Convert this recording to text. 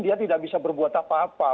dia tidak bisa berbuat apa apa